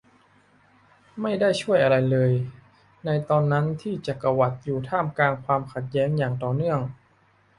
ไม่ได้ช่วยอะไรเลยในตอนนั้นที่จักรวรรดิอยู่ท่ามกลางความขัดแย้งอย่างต่อเนื่อง